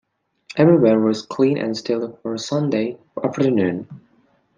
Everywhere was clean and still for Sunday afternoon.